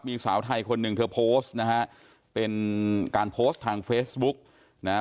มีสาวไทยคนหนึ่งเธอโพสต์นะฮะเป็นการโพสต์ทางเฟซบุ๊กนะฮะ